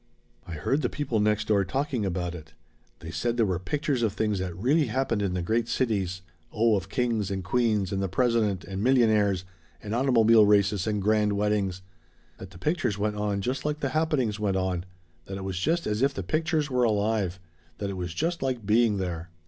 I heard the people next door talking about it. They said there were pictures of things that really happened in the great cities oh of kings and queens and the president and millionaires and automobile races and grand weddings; that the pictures went on just like the happenings went on; that it was just as if the pictures were alive; that it was just like being there.